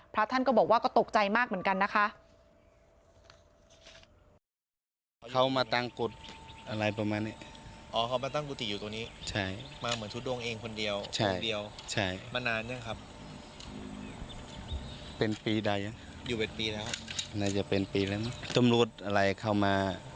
พระท่านก็บอกว่าก็ตกใจมากเหมือนกันนะคะ